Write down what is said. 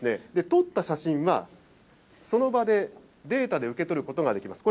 撮った写真は、その場でデータで受け取ることができます。